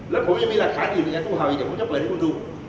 แล้วผมยังมีหลักฐานอื่นพยานตู้เห่าอีกเดี๋ยวผมจะเปิดให้คุณดู